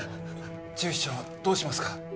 厨司長どうしますか？